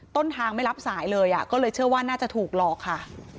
ต้นทางไม่รับสายเลยก็เลยเชื่อว่าน่าจะถูกหลอกค่ะ